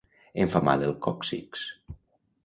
Em fa mal el còccix